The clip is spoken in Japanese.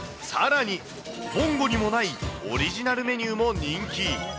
さらに、ぼんごにもないオリジナルメニューも人気。